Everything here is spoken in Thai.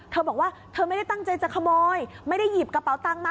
เธอบอกว่าเธอไม่ได้ตั้งใจจะขโมยไม่ได้หยิบกระเป๋าตังค์มา